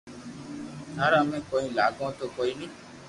ٿاري امي ڪوئي لاگو تو ڪوئي ني